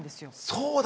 そうだ。